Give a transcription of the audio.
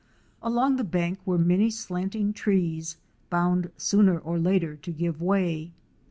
Along the bank were many slanting trees, bound sooner or later to give way.